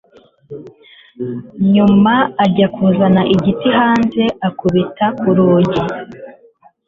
nyuma ajya kuzana igiti hanze akubita kurugi